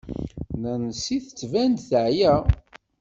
Nancy tettban-d teεya.